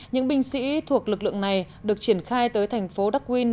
những binh sĩ thuộc lực lượng này được triển khai tới thành phố darwin